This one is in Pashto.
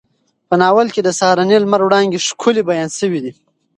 په ناول کې د سهارني لمر وړانګې ښکلې بیان شوې دي.